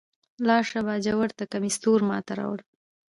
لاړ شه باجوړ ته کمیس تور ما ته راوړئ.